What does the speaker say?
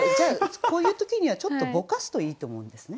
こういう時にはちょっとぼかすといいと思うんですね。